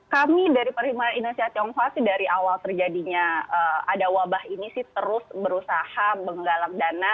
kami dari perhimpunan indonesia tionghoa sih dari awal terjadinya ada wabah ini sih terus berusaha menggalak dana